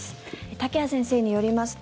竹谷先生によりますと